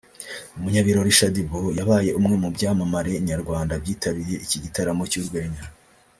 umunyabirori Shaddy Boo yabaye umwe mu byamamare nyarwanda byitabiriye iki gitaramo cy’ u rwenya